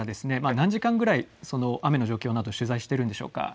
何時間くらい雨の状況など取材しているんでしょうか。